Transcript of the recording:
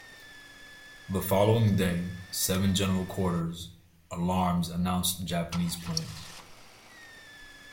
The following day seven general quarters alarms announced Japanese planes.